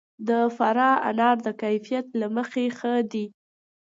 د فراه انار د کیفیت له مخې ښه دي.